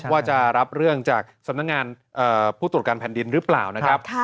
ว่าจะรับเรื่องจากสำนักงานผู้ตรวจการแผ่นดินหรือเปล่านะครับ